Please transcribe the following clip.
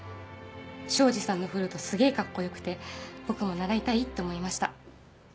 庄司さんのフルートすげぇカッコよくて僕も習いたいって思いました。